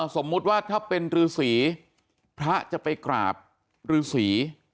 สมมุติว่าถ้าเป็นฤษีพระจะไปกราบฤษี